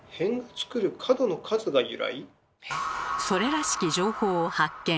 それらしき情報を発見。